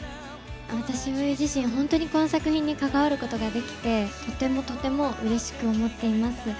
私自身本当にこの作品に関わることができてとてもとてもうれしく思っています。